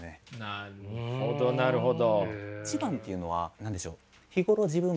なるほどなるほど。